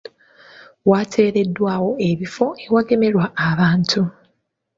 Wateereddwawo ebifo awagemberwa abantu.